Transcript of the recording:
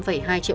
tặng quà tiền